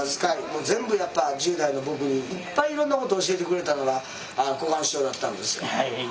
もう全部やっぱ１０代の僕にいっぱいいろんなことを教えてくれたのが小雁師匠だったんですよ。